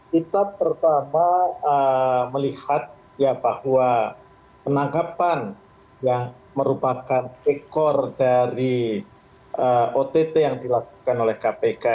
kita pertama melihat bahwa penangkapan yang merupakan ekor dari ott yang dilakukan oleh kpk